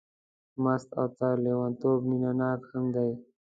مست او تر لېونتوب مینه ناک هم دی.